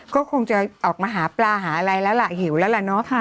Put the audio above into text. ก็คงจะออกมาหาปลาหาอะไรแล้วล่ะหิวแล้วล่ะเนาะ